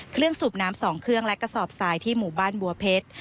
เครื่องสูบน้ำสองเครื่องและกระสอบสายที่หมู่บ้านบัวเพชร